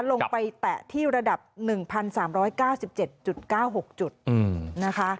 ลงไปแตะที่ระดับหนึ่งพันสามร้อยเก้าสิบเจ็ดจุดเก้าหกจุดอืมนะคะ